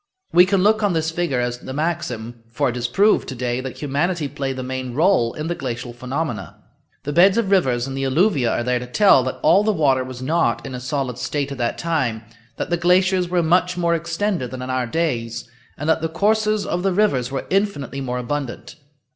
We can look on this figure as the maximum, for it is proved to day that humanity played the main role in the glacial phenomena. The beds of rivers and the alluvia are there to tell that all the water was not in a solid state at that time, that the glaciers were much more extended than in our days, and that the courses of the rivers were infinitely more abundant.